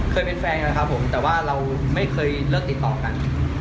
เคยเป็นแฟนกันครับผมแต่ว่าเราไม่เคยเลิกติดต่อกัน